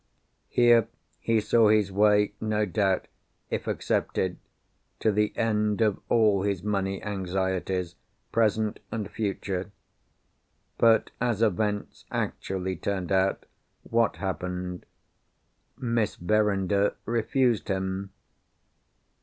Here, he saw his way no doubt—if accepted—to the end of all his money anxieties, present and future. But, as events actually turned out, what happened? Miss Verinder refused him.